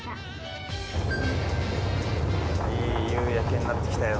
いい夕焼けになってきたよ。